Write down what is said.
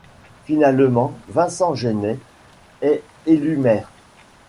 Finalement, Vincent Genay est élu maire.